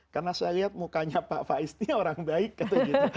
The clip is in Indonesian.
karena saya lihat mukanya pak faiz ini orang baik gitu